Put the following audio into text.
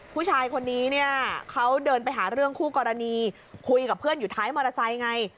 ผู้ชายคนนี้เนี่ยเขาเดินไปหาเรื่องคู่กรณีคุยกับเพื่อนอยู่ท้ายมอเตอร์ไซค์ไง